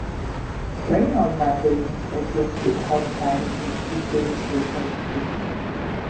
Many organisations exist to help parents and teachers with home education.